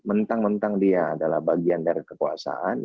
mentang mentang dia adalah bagian dari kekuasaan